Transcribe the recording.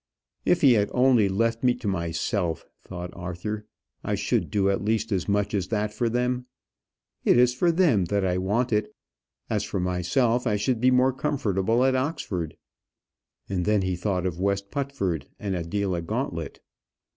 "If he had only left me to myself," thought Arthur, "I should do at least as much as that for them. It is for them that I want it; as for myself, I should be more comfortable at Oxford." And then he thought of West Putford, and Adela Gauntlet.